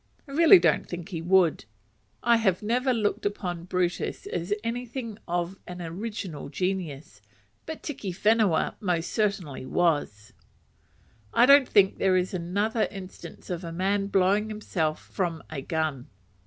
I really don't think he would. I have never looked upon Brutus as anything of an original genius; but Tiki Whenua most certainly was. I don't think there is another instance of a man blowing himself from a gun.